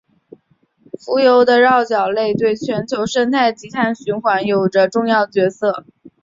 浮游的桡脚类对全球生态及碳循环有着重要的角色。